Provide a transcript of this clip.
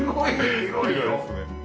広いですね。